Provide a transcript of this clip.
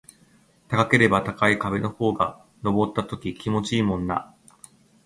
高ければ高い壁の方が登った時気持ちいいもんな